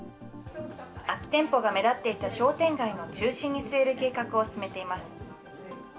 空き店舗が目立っていた商店街の中心に据える計画を進めています。